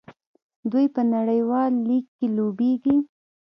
دوی په نړیوال لیګ کې لوبېږي.